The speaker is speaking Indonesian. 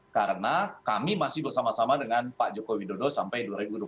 karena kami masih bersama sama dengan pak joko widodo sampai dua ribu dua puluh empat